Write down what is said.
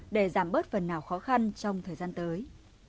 để giảm bớt phần nào khó khăn trong thời gian tới